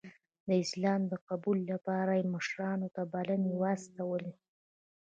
د اسلام د قبول لپاره یې مشرانو ته بلنې واستولې.